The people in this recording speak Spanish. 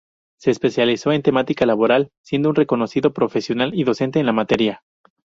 Se especializó en temática laboral, siendo un reconocido profesional y docente en la materia.